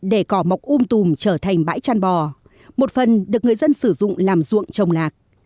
các hệ thống cống thoát nước um tùm trở thành bãi chăn bò một phần được người dân sử dụng làm ruộng trồng lạc